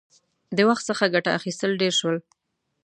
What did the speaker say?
• د وخت څخه ګټه اخیستل ډېر شول.